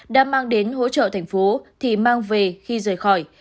đã mang đến hỗ trợ thành phố thì mang về khi rời khỏi